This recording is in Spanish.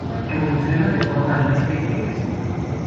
Evolucionan de forma lenta y progresiva.